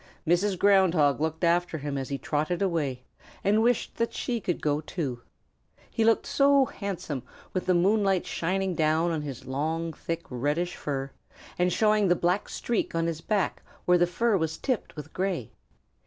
Mrs. Ground Hog looked after him as he trotted away and wished that she could go too. He looked so handsome with the moonlight shining down on his long, thick, reddish fur, and showing the black streak on his back where the fur was tipped with gray.